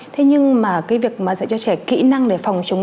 thế nhưng mà cái việc mà dạy cho trẻ kỹ năng để phòng chống